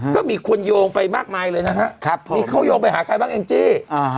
ก็มีคนโยงไปมากมายเลยนะฮะมีเขาโยงไปหาใครบ้างแองจี้